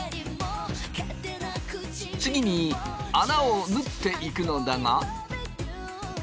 次に穴を縫っていくのだが。